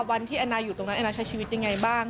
วันที่แอนาอยู่ตรงนั้นแอนาใช้ชีวิตได้อย่างไรบ้าง